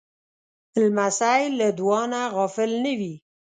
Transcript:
لمسی له دعا نه غافل نه وي.